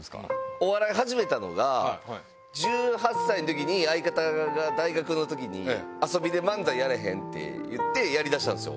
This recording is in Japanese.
お笑い始めたのが、１８歳のときに、相方が大学のときに、遊びで漫才やれへんって言って、やりだしたんですよ。